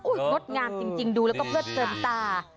งดงามจริงดูแล้วก็เพลิดเติมตา